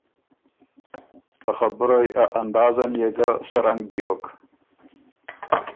ته خبُرئ ا اندازن يې ګه سۀ رنګ بیوک